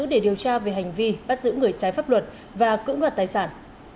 để điều tra về hành vi bắt giữ người trái pháp luật và cững luật tài sản